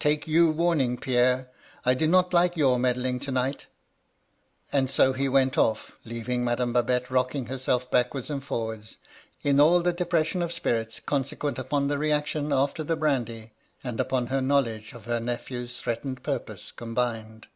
Take you warnings Pierre 1 I did not like your meddling to night' And so he went off, leaving Madame Babette rocking her self backwards and forwards, in all the depression of spirits consequent upon the reaction after the brandy, and upon her knowledge of her nephew's threatened purpose combined.